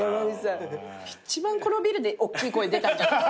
一番このビルでおっきい声出たんじゃない？